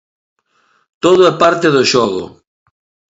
Todo é parte do xogo.